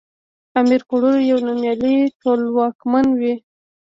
امير کروړ يو نوميالی ټولواکمن وی